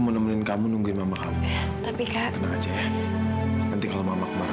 mungkin memang belum waktunya saya kembali